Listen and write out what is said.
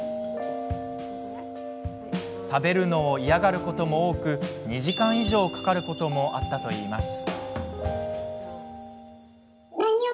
食べるのを嫌がることも多く２時間以上かかることもあったといいます。